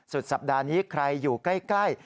สุดสัปดาห์นี้ใครอยู่ใกล้